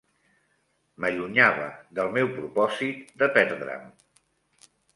M'allunyava del meu propòsit de perdre'm